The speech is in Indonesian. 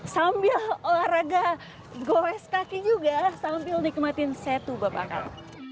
sambil olahraga goles kaki juga sambil nikmatin situ babakan